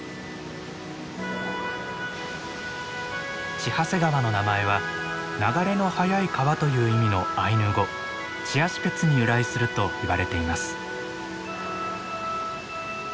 千走川の名前は「流れの速い川」という意味のアイヌ語「チアシ・ペツ」に由来するといわれています。